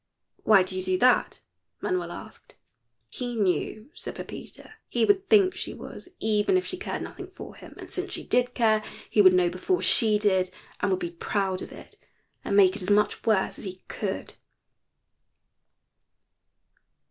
"Why do you do that?" Manuel asked. "He knew," said Pepita. "He would think she was, even if she cared nothing for him, and since she did care he would know before she did and would be proud of it, and make it as much worse as he could."